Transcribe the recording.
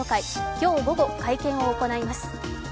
今日午後、会見を行います。